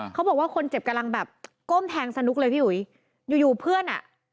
เขาบอกว่าคนเจ็บกำลังแบบก้มแทงสนุกเลยพี่อุ๋ยอยู่อยู่เพื่อนอ่ะ